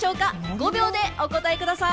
５秒でお答えください。